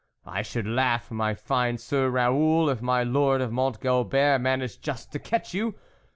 I should laugh, my fine Sir Raoul, if my Lord of Mont Gobert managed just to catch you